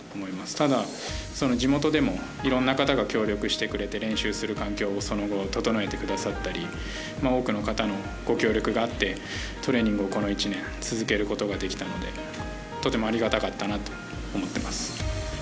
ただ、地元でもいろんな方が協力してくれて練習する環境が整えてくださったり多くの方のご協力があってトレーニングをこの１年続けることができたのでとてもありがたかったなと思っています。